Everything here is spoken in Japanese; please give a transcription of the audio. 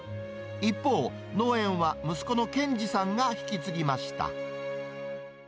一方、農園は息子の健司さんが引き継ぎました。